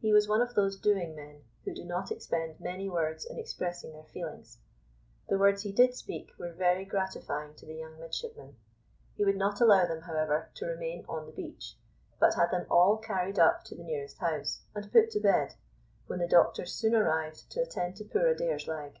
He was one of those doing men who do not expend many words in expressing their feelings. The words he did speak were very gratifying to the young midshipmen. He would not allow them, however, to remain on the beach, but had them all carried up to the nearest house, and put to bed, when the doctor soon arrived to attend to poor Adair's leg.